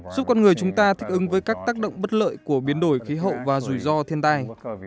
giúp con người chúng ta thích ứng với các tác động bất lợi của biến đổi khí hậu và rủi ro thiên tai